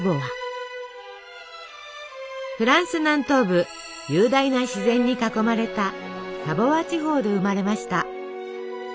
フランス南東部雄大な自然に囲まれたサヴォワ地方で生まれました。